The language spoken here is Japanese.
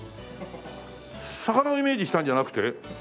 魚をイメージしたんじゃなくて？